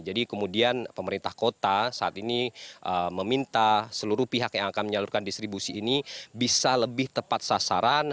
jadi kemudian pemerintah kota saat ini meminta seluruh pihak yang akan menyalurkan distribusi ini bisa lebih tepat sasaran